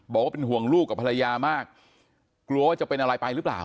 บอกว่าเป็นห่วงลูกกับภรรยามากกลัวว่าจะเป็นอะไรไปหรือเปล่า